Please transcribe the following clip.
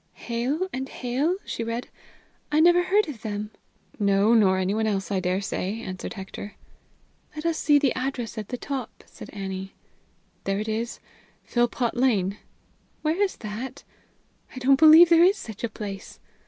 "Hale & Hale?" she read. "I never heard of them!" "No, nor anyone else, I dare say," answered Hector. "Let us see the address at the top," said Annie. "There it is Philpot Lane." "Where is that? I don't believe there is such a place!"